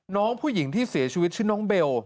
น้องผู้หญิงที่เสียชีวิตชื่อน้องเบล